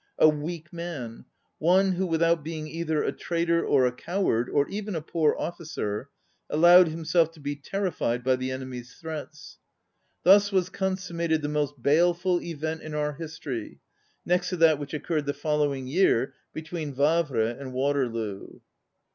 A weak man, ŌĆö one who without being either a traitor or a coward, or even a poor officer, allowed him self to be terrified by the enemy's threats. Thus was consummated the most baleful event in our history, next to that which occurred the fol lowing year between Wavre and Waterloo."